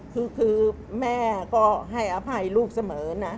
คือแม่ก็ให้อภัยลูกเสมอนะ